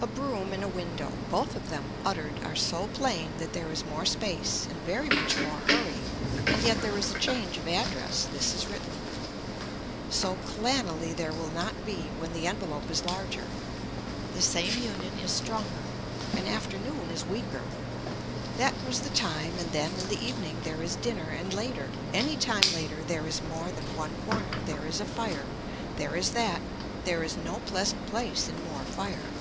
A broom and a window, both of them uttered are so plain that there is more space and very much more hurry and yet there is a change of address, this is written. So clannily there will not be when the envelope is larger. The same union is stronger. An afternoon is weaker. That was the time and then in the evening there is dinner and later, any time later there is more than one corner, there is a fire, there is that, there is no pleasant place in more fire.